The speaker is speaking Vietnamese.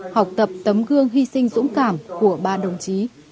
học tập tấm gương hy sinh dũng cảm của ba đồng chí